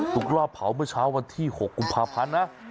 รอบเผาเมื่อเช้าวันที่๖กุมภาพันธ์นะ